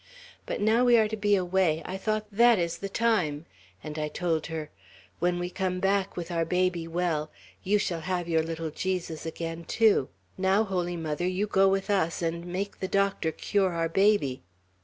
But now we are to be away, I thought, that is the time; and I told her, 'When we come back with our baby well, you shall have your little Jesus again, too; now, Holy Mother, you go with us, and make the doctor cure our baby!'